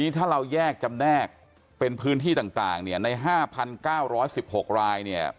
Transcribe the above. ถ้าเราแยกจำแนกเป็นพื้นที่ต่างใน๕๙๑๖ราย